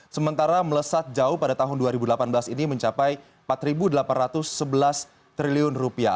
sementara melesat jauh pada tahun dua ribu delapan belas ini mencapai empat delapan ratus sebelas triliun rupiah